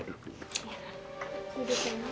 aku udah denger